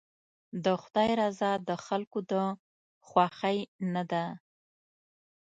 د خدای رضا د خلکو د خوښۍ نه ده.